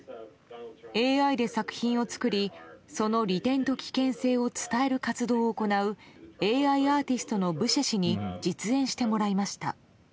ＡＩで作品を作り、その利点と危険性を伝える活動を行うＡＩアーティストのブシェ氏に実演してもらいました。